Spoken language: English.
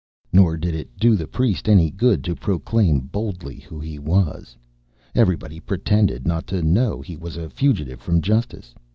Nor did it do the priest any good to proclaim boldly who he was. Everybody pretended not to know he was a fugitive from justice.